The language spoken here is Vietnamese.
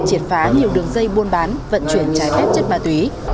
triệt phá nhiều đường dây buôn bán vận chuyển trái phép chất ma túy